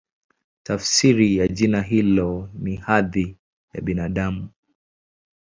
Tafsiri ya jina hilo ni "Hadhi ya Binadamu".